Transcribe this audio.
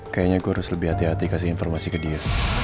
kayaknya gue harus lebih hati hati kasih informasi ke dia